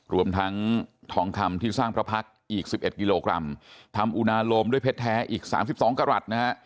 รวมทั้งทองคำที่สร้างพระพักษ์อีก๑๑กิโลกรัมทำอุณาโลมด้วยเพชรแท้อีก๓๒กรัฐนะฮะ